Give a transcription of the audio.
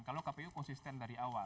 kalau kpu konsisten dari awal